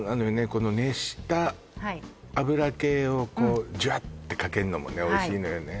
この熱した油系をこうジュッてかけんのもねおいしいのよね